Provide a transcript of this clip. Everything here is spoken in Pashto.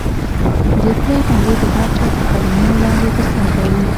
د پله غوندې د هر چا تر قدمونو لاندې بستر غواړي.